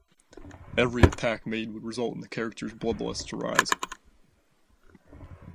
Every attack made would result in a character's bloodlust to rise.